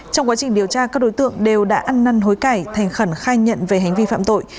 trong quá trình điều tra các đối tượng đều đã ăn năn hối cải thành khẩn khai nhận về hành vi phạm tội